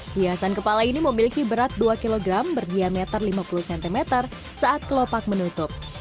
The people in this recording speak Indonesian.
hiasan kepala ini memiliki berat dua kg berdiameter lima puluh cm saat kelopak menutup